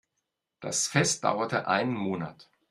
Das Fest dauerte einen Monat.